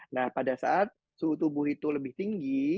nah pada saat suhu tubuh itu lebih tinggi